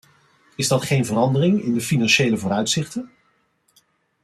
Is dat geen verandering in de financiële vooruitzichten?